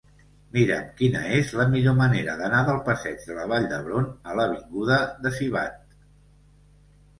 Mira'm quina és la millor manera d'anar del passeig de la Vall d'Hebron a l'avinguda de Sivatte.